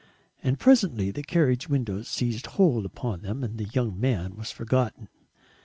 And presently the carriage windows seized hold upon them and the young man was forgotten.